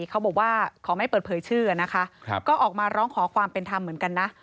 เขาบอกว่าขอไม่เปิดเผยชื่อนะคะก็ออกมาร้องขอความเป็นธรรมเหมือนกันนะ